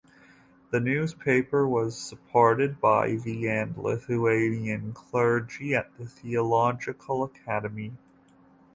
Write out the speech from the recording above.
The newspaper was supported by the and Lithuanian clergy at the Theological Academy.